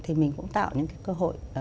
thì mình cũng tạo những cái cơ hội